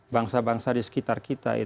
bangsa bangsa di sekitar kita